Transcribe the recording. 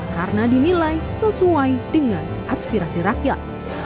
karena dinilai sesuai dengan aspirasi rakyat